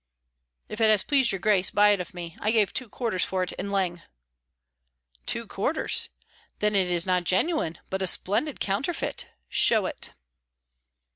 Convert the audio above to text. "If it has pleased your grace, buy it of me; I gave two quarters for it in Leng." "Two quarters? Then it is not genuine, but a splendid counterfeit. Show it."